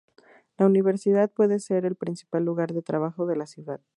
La universidad puede ser el principal lugar de trabajo de la ciudad.